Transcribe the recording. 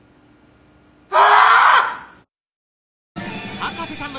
ああ！！